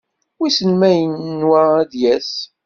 Wissen ma yenwa ad d-yas.